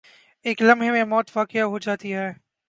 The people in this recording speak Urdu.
ایک لمحے میں موت واقع ہو جاتی ہے۔